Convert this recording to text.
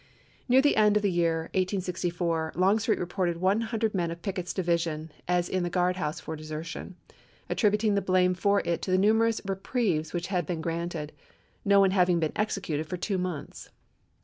Near the end of the year 1864 Longstreet reported one hundred men of Pickett's division as in the guard house for desertion, attributing the blame for it to the numerous reprieves which had been granted, no one having been executed for two months.